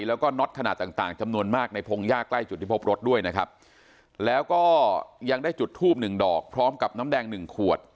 แล้วก็น็อตขนาดต่างต่างจำนวนมากในพงหญ้าใกล้จุดที่พบรถด้วยนะครับแล้วก็ยังได้จุดทูบหนึ่งดอกพร้อมกับน้ำแดงหนึ่งขวด